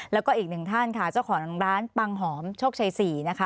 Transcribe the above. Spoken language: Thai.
แล้วก็อีกหนึ่งท่านค่ะเจ้าของร้านปังหอมโชคชัย๔นะคะ